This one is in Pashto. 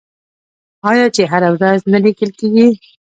آیا چې هره ورځ نه لیکل کیږي؟